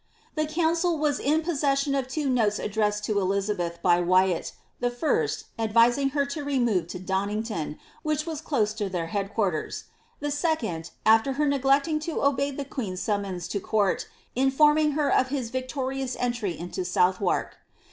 The council was in possession of two notes addressed to Elizabeth bv Wyat, the first, advising her to remove to Donnington, which was dose to iheir head quarters*, the second, after her neglecting to obey the queen's summons to court, informing her of his victorious entry into South wark.